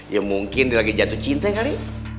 ya mungkin dia lagi jatuh cinta kali